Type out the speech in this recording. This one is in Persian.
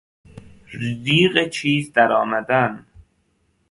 ریغ چیز در آمدن